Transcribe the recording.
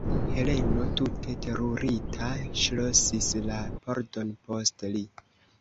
Heleno, tute terurita, ŝlosis la pordon post li.